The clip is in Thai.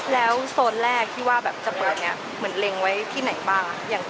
แล้วโซนแรกว่าจะเปิดเนี่ย